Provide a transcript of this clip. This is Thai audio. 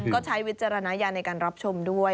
ก็ใช้วิจารณญาณในการรับชมด้วย